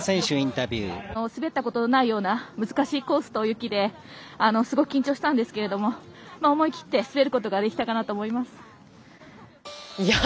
滑ったことのないような難しいコースと雪ですごく緊張したんですけれども思い切って滑ることができたと思います。